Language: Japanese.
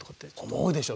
思うでしょ？